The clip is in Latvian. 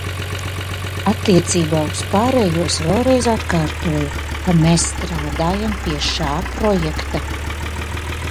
Attiecībā uz pārējo es vēlreiz atkārtoju, ka mēs strādājam pie šā projekta.